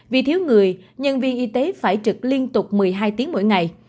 vì thiếu người nhân viên y tế phải trực liên tục một mươi hai tiếng mỗi ngày